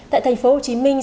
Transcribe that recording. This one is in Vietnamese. tại thành phố hồ chí minh